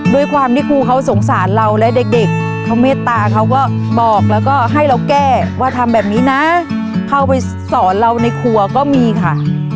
ด้วยความที่ครูเขาสงสารเราและเด็กเขาเมตตาเขาก็บอกแล้วก็ให้เราแก้ว่าทำแบบนี้นะเข้าไปสอนเราในครัวก็มีค่ะ